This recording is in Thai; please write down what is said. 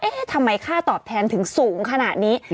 ทำไมค่าตอบแทนถึงสูงขนาดนี้